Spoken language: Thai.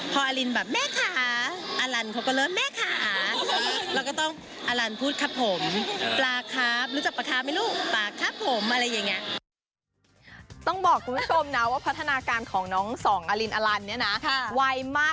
พออลินแบบแม๊ขา